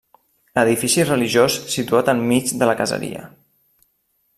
Edifici religiós situat enmig de la caseria.